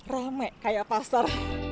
rame kayak pasar